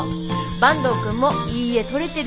坂東くんもいい画撮れてるよ。